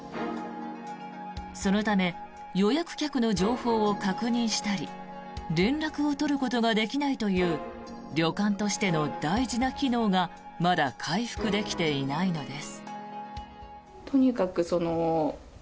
そのため予約客の情報を確認したり連絡を取ることができないという旅館としての大事な機能がまだ回復できていないのです。